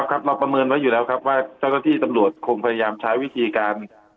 เราประเมินไว้อยู่แล้วครับว่าเจ้าหน้าที่ตำรวจคงพยายามใช้วิธีการ